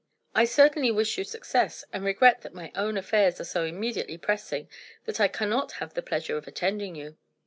"I certainly wish you success, and regret that my own affairs are so immediately pressing that I cannot have the pleasure of attending you.